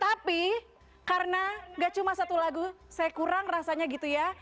tapi karena gak cuma satu lagu saya kurang rasanya gitu ya